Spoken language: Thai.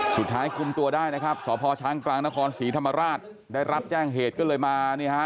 สุดท้ายคุมตัวได้นะครับสพช้างกลางนครศรีธรรมราชได้รับแจ้งเหตุก็เลยมาเนี่ยฮะ